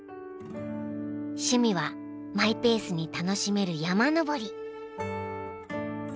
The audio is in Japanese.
趣味はマイペースに楽しめる山登り。